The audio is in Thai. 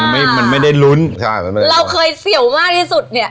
มันไม่ได้รุ้นใช่มันไม่ได้เสียวเราเคยเสียวมากที่สุดเนี้ย